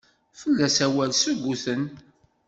Fell-as awal suguten.